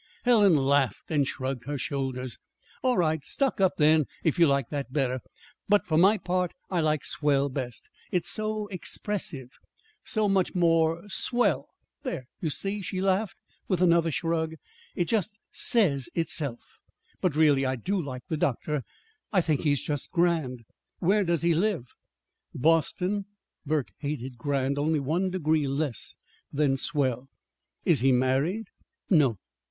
Helen laughed and shrugged her shoulders. "All right; 'stuck up,' then, if you like that better. But, for my part, I like 'swell' best. It's so expressive, so much more swell there, you see," she laughed, with another shrug; "it just says itself. But, really, I do like the doctor. I think he's just grand. Where does he live?" "Boston." Burke hated "grand" only one degree less than "swell." "Is he married?" "No."